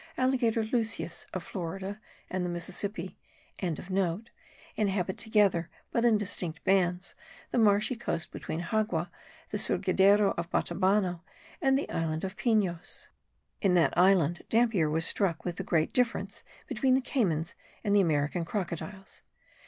Alligator lucius of Florida and the Mississippi.) inhabit together, but in distinct bands, the marshy coast between Xagua, the Surgidero of Batabano, and the island of Pinos. In that island Dampier was struck with the great difference between the caymans and the American crocodiles.